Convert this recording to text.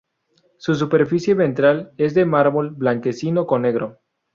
Su superficie ventral es de mármol blanquecino con negro.